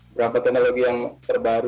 berapa teknologi yang terbaru